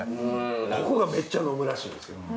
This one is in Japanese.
ここがめっちゃ飲むらしいんですよ。